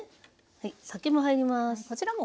はい酒も入ります。